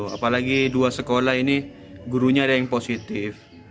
apalagi dua sekolah ini gurunya ada yang positif